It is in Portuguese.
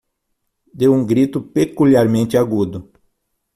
Deu um grito peculiarmente agudo.